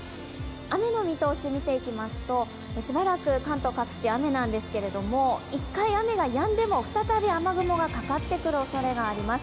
雨の見通し見ていきますとしばらく関東各地雨なんですけれども、１回雨がやんでも、再び雨雲がかかってくるおそれがあります。